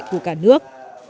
của cả nước